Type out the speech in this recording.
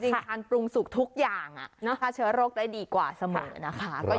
ทานปรุงสุกทุกอย่างฆ่าเชื้อโรคได้ดีกว่าเสมอนะคะ